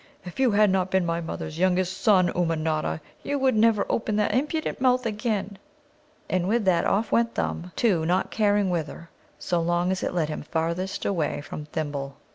If you had not been my mother's youngest son, Ummanodda, you should never open that impudent mouth again!" And with that, off went Thumb, too, not caring whither, so long as it led him farthest away from Thimble.